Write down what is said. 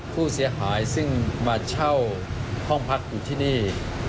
ผู้เสียหายซึ่งมาเช่าห้องพักอยู่ที่นี่